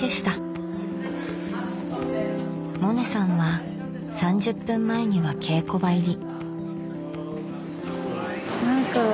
萌音さんは３０分前には稽古場入り。